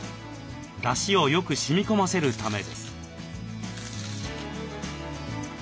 出汁をよくしみこませるためです。